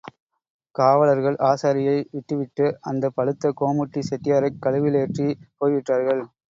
காவலர்கள் ஆசாரியை விட்டுவிட்டு, அந்தப் பழுத்த கோமுட்டி செட்டியாரைக் கழுவிலேற்றிப் போய்விட்டார்கள்.